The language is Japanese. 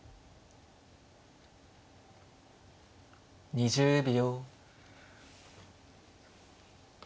２０秒。